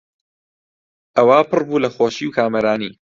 ئەوا پڕ بوو لە خۆشی و کامەرانی